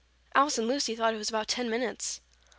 Alice and Lucy thought it was about ten minutes.